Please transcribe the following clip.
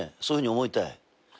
そういうふうに思いたい。